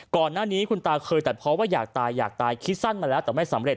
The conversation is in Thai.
ก่อนหน้านี้คุณตาเคยตัดเพราะว่าอยากตายอยากตายคิดสั้นมาแล้วแต่ไม่สำเร็